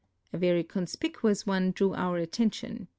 A very conspicuous one drew our attention.